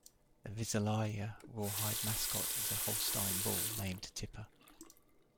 The Visalia Rawhide mascot is a Holstein Bull named Tipper.